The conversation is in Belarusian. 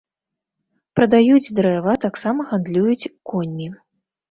Прадаюць дрэва, таксама гандлююць коньмі.